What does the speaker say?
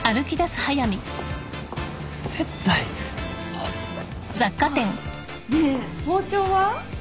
あっねえ包丁は？